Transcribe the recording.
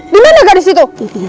dimana gadis itu